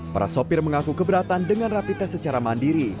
para sopir mengaku keberatan dengan rapi tes secara mandiri